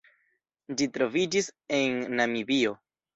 Ĝi troviĝis en Namibio.